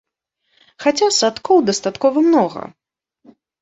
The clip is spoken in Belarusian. Хаця садкоў дастаткова многа.